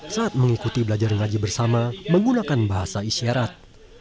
saat mengikuti belajar ngaji bersama menggunakan bahasa isyarat